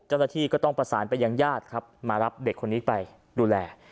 จรฐธีก็ต้องประสานไปอย่างญาติครับมารับเด็กคนนี้ไปดูแล